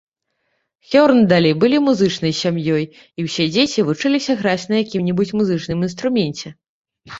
Хёрндалі былі музычнай сям'ёй, і ўсе дзеці вучыліся граць на якім-небудзь музычным інструменце.